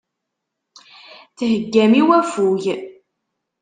Theggam i waffug.